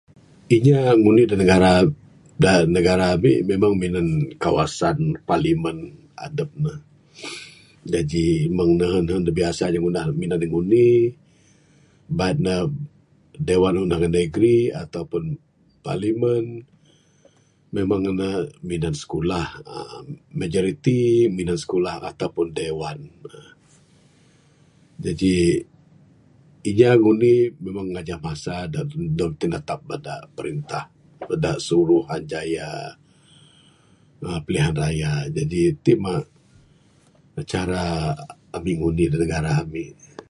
Inya ngundi da negara, da negara ami Meng minan kawasan parlimen adep ne jaji meng nehen nehen da biasa inya ngunah ne minan pingundi banca Dewan undangan negeri ato pun parlimen. Memang ne minan sikulah majority minan sikulah ato pun dewan. Jaji inya ngundi meng ngajah basa dog tinatap bada perintah. Bada suruhanjaya uhh pilihan raya jaji ti mah cara ami ngundi da negara ami.